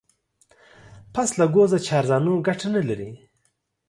پسله گوزه چارزانو گټه نه لري.